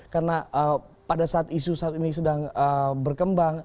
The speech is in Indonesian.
karena pada saat isu saat ini sedang berkembang